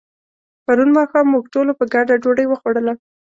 پرون ماښام موږ ټولو په ګډه ډوډۍ وخوړله.